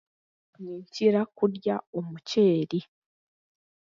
Ninkira kurya omuceeri.